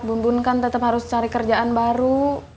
bun bun kan tetep harus cari kerjaan baru